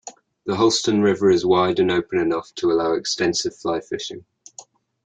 The Holston River is wide and open enough to allow extensive fly fishing.